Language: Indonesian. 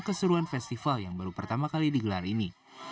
keseruan festival yang baru pertama kali digelar ini